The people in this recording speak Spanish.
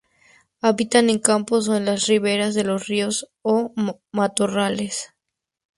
Habitan en campos, o en las riberas de los ríos, o matorrales.